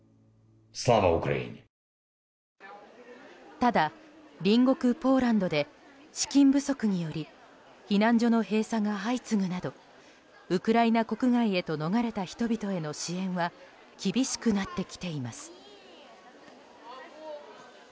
ただ、隣国ポーランドで資金不足により避難所の閉鎖が相次ぐなどウクライナ国外へと逃れた人々への支援は厳しくなってきています。